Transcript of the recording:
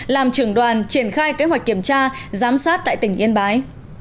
làm trưởng đoàn triển khai kế hoạch kiểm tra giám sát tại tỉnh yên bái